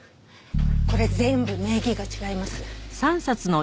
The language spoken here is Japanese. これ全部名義が違います。